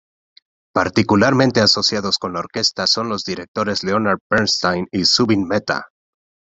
Particularmente asociados con la orquesta son los directores Leonard Bernstein y Zubin Mehta.